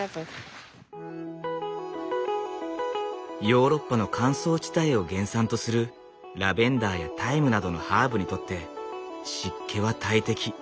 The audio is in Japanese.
ヨーロッパの乾燥地帯を原産とするラベンダーやタイムなどのハーブにとって湿気は大敵。